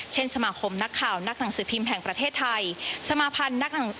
สมาคมนักข่าวนักหนังสือพิมพ์แห่งประเทศไทย